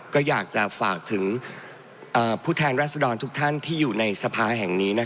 ก็อยากจะฝากถึงผู้แทนรัศดรทุกท่านที่อยู่ในสภาแห่งนี้